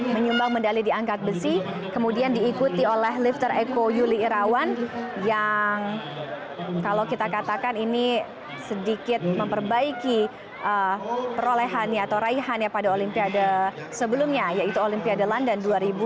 menyumbang medali di angkat besi kemudian diikuti oleh lifter eko yuli irawan yang kalau kita katakan ini sedikit memperbaiki perolehannya atau raihan ya pada olimpiade sebelumnya yaitu olimpiade london dua ribu dua puluh